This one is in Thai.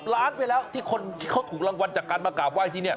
ล้านไปแล้วที่คนที่เขาถูกรางวัลจากการมากราบไห้ที่นี่